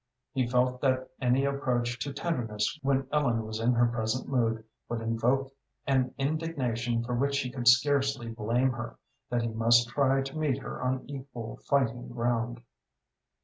He felt that any approach to tenderness when Ellen was in her present mood would invoke an indignation for which he could scarcely blame her, that he must try to meet her on equal fighting ground.